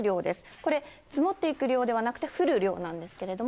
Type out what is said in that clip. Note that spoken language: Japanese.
これ、積もっていく量ではなくて、降る量なんですけれども。